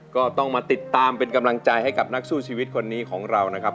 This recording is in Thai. ก็ต้องมาติดตามเป็นกำลังใจให้กับนักสู้ชีวิตคนนี้ของเรานะครับ